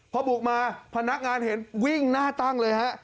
พอบุกมาพนักงานเห็นวิ่งหน้าตั้งเลยฮะ